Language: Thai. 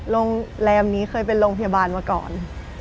โรงแรมนี้เคยเป็นโรงพยาบาลมาก่อน